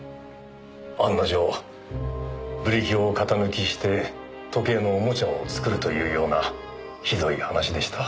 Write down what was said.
案の定ブリキを型抜きして時計のおもちゃを作るというようなひどい話でした。